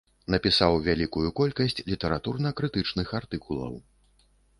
Напісаў вялікую колькасць літаратурна-крытычных артыкулаў.